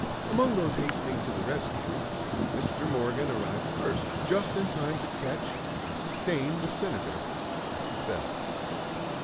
Among those hastening to the rescue, Mr. Morgan arrived first, just in time to catch and sustain the Senator as he fell.